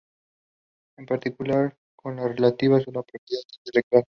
en particular, con las relativas a la propiedad intelectual